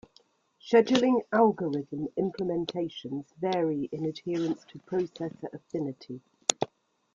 Scheduling-algorithm implementations vary in adherence to processor affinity.